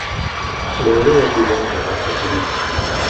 Loole yabbibwa nga yaakagulibwa.